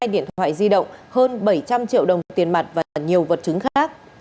hai điện thoại di động hơn bảy trăm linh triệu đồng tiền mặt và nhiều vật chứng khác